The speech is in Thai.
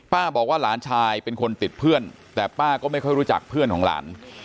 บอกว่าหลานชายเป็นคนติดเพื่อนแต่ป้าก็ไม่ค่อยรู้จักเพื่อนของหลาน